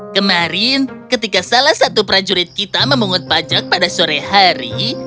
kemarin ketika salah satu prajurit kita memungut pajak pada sore hari